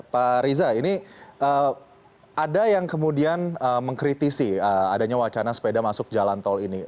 pak riza ini ada yang kemudian mengkritisi adanya wacana sepeda masuk jalan tol ini